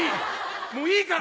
もういいから！